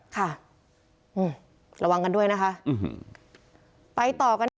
ค่ะระวังกันด้วยนะคะไปต่อกันนะครับ